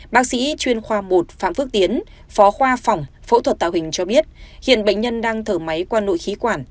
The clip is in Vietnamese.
bác sĩ chuyên khoa một phạm phước tiến phó khoa phòng phẫu thuật tạo hình cho biết hiện bệnh nhân đang thở máy qua nội khí quản